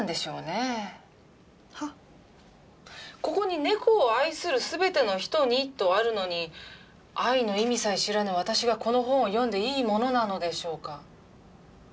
ここに「猫を愛する全ての人に」とあるのに「愛」の意味さえ知らぬ私がこの本を読んでいいものなのでしょうか。